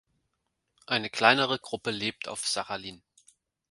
Eine kleinere Gruppe lebt auf Sachalin.